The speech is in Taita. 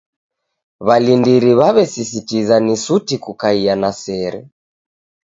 W'alindiri w'aw'esisitiza ni suti kukaiya na sere.